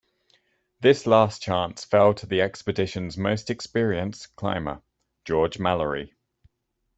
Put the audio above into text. This last chance fell to the expedition's most experienced climber, George Mallory.